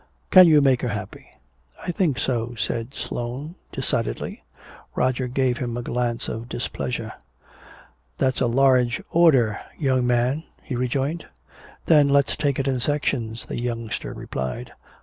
Can you make her happy?" "I think so," said Sloane, decidedly. Roger gave him a glance of displeasure. "That's a large order, young man," he rejoined. "Then let's take it in sections," the youngster replied.